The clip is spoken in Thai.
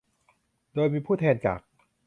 โดยมีผู้แทนจาก